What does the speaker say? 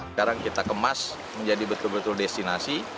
sekarang kita kemas menjadi betul betul destinasi